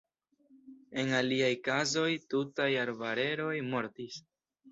En aliaj kazoj tutaj arbareroj mortis.